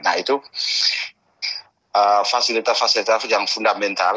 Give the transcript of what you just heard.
nah itu fasilitas fasilitas yang fundamental